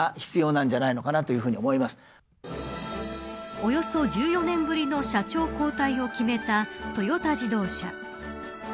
およそ１４年ぶりの社長交代を決めたトヨタ自動車。